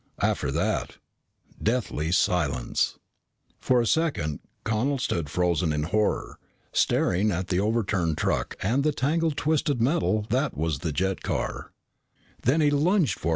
After that, deathly silence. For a second Connel stood frozen in horror, staring at the overturned truck and the tangle of twisted metal that was the jet car.